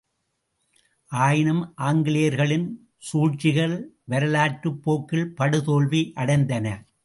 ஆயினும் ஆங்கிலேயர்களின் சூழ்ச்சிகள் வரலாற்றுப் போக்கில் படுதோல்வி அடைந்தன.